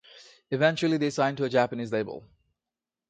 Eventually, they signed to a Japanese label.